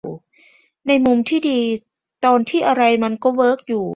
ในมุมที่ดี ตอนที่อะไรมันก็เวิร์กอยู่